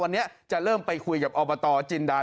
วันนี้จะเริ่มไปคุยกับอบตจินดา